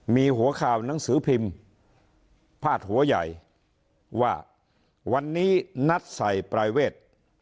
มีหัวข่าวหนังสือพิมพ์พาดหัวใหญ่ว่าวันนี้นัดใส่ปลายเวท